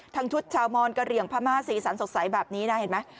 ชุดชาวมอนกะเหลี่ยงพม่าสีสันสดใสแบบนี้นะเห็นไหม